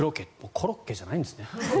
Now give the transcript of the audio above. コロッケじゃないんですね。